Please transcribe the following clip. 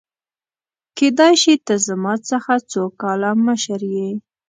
کيدای شي ته زما څخه څو کاله مشر يې !؟